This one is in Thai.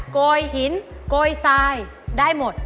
โกยหินโกยทรายได้หมด